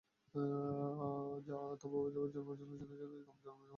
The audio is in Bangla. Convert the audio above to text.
তবে অবৈধভাবে যানবাহন চলাচলের জন্য রমজান মাসে রাজপথে যানজট দেখা দেয়।